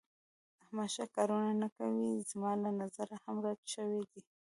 احمد ښه کارونه نه کوي. زما له نظره هم رټ شوی دی.